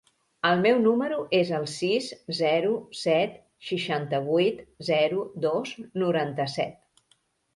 El meu número es el sis, zero, set, seixanta-vuit, zero, dos, noranta-set.